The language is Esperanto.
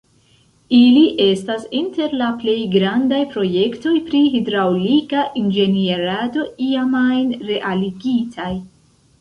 Ili estas inter la plej grandaj projektoj pri hidraŭlika inĝenierado iam ajn realigitaj.